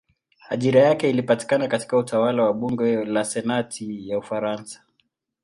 Ajira yake ilipatikana katika utawala wa bunge la senati ya Ufaransa.